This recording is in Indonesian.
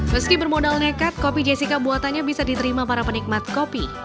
meski bermodal nekat kopi jessica buatannya bisa diterima para penikmat kopi